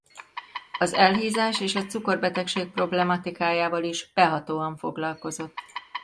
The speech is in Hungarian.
Az elhízás és a cukorbetegség problematikájával is behatóan foglalkozott.